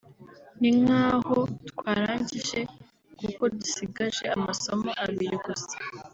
ni nk’aho twarangije kuko dusigaje amasomo abiri gusa